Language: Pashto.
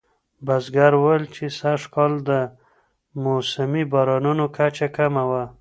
بزګر وویل چې سږکال د موسمي بارانونو کچه کمه وه.